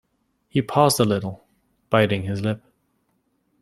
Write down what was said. He paused a little, biting his lip.